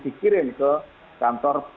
dikirim ke kantor